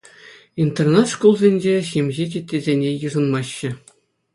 Интернат шкулсенче ҫемҫе теттесене йышӑнмаҫҫӗ.